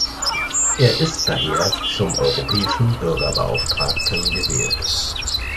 Er ist daher zum Europäischen Bürgerbeauftragten gewählt.